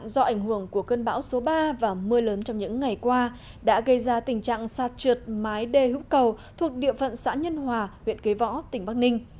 do ảnh hưởng của cơn bão số ba và mưa lớn trong những ngày qua đã gây ra tình trạng sạt trượt mái đê hữu cầu thuộc địa phận xã nhân hòa huyện kế võ tỉnh bắc ninh